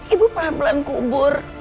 ibu pelan pelan kubur